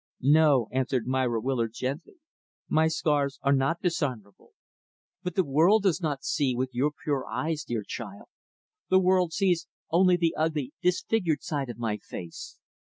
"No," answered Myra Willard, gently, "my scars are not dishonorable. But the world does not see with your pure eyes, dear child. The world sees only the ugly, disfigured side of my face.